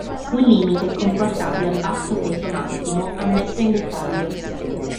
Un limite è comportato dal basso peso massimo ammesso in decollo.